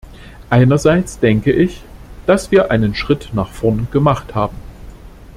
Einerseits denke ich, dass wir einen Schritt nach vorn gemacht haben.